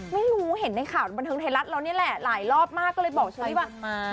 ไม่รู้เห็นในข่าวบันเทิงไทยรัฐเรานี่แหละหลายรอบมากก็เลยบอกเชอรี่ว่ามา